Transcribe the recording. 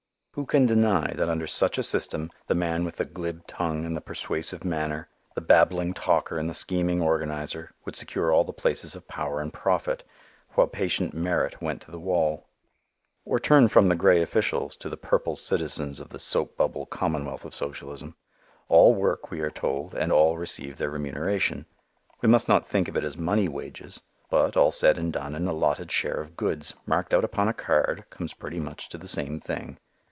Who can deny that under such a system the man with the glib tongue and the persuasive manner, the babbling talker and the scheming organizer, would secure all the places of power and profit, while patient merit went to the wall? Or turn from the gray officials to the purple citizens of the soap bubble commonwealth of socialism. All work, we are told, and all receive their remuneration. We must not think of it as money wages, but, all said and done, an allotted share of goods, marked out upon a card, comes pretty much to the same thing.